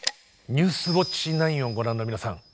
「ニュースウオッチ９」をご覧の皆さん